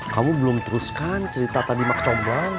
kamu belum teruskan cerita tadi mak combang